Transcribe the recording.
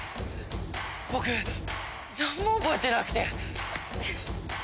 僕なんも覚えてなくて。